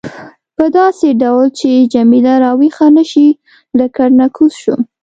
په داسې ډول چې جميله راویښه نه شي له کټ نه کوز شوم.